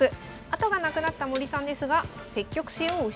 後がなくなった森さんですが積極性を失いません。